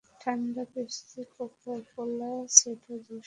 ঠান্ডা Pepsi, cola, soda, juice.